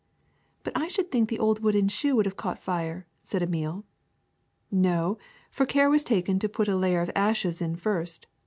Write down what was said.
'' ^^But I should think the old wooden shoe would have caught fire," said Emile. ^^No, for care was taken to put a layer of ashes in first.